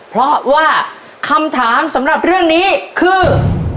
เพราะว่าคำถามสำหรับเรื่องนี้คือ